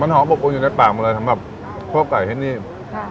มันหอมปบปวนอยู่ในปากหมดเลยทำแบบพวกไก่ให้นี่ค่ะ